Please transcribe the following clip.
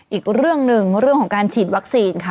อีกเรื่องหนึ่งเรื่องของการฉีดวัคซีนค่ะ